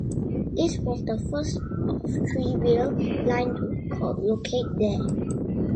This was the first of three rail line to locate there.